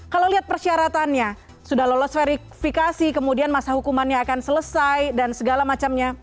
kalau lihat persyaratannya sudah lolos verifikasi kemudian masa hukumannya akan selesai dan segala macamnya